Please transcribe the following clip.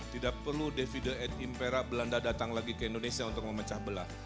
tidak perlu david de ete impera belanda datang lagi ke indonesia untuk memecah belah